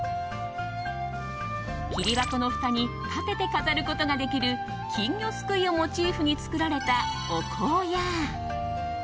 桐箱のふたに立てて飾ることができる金魚すくいをモチーフに作られたお香や。